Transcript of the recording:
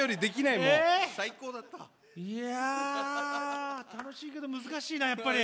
いや楽しいけど難しいなやっぱり。